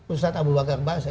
ustaz abu bagar bahasa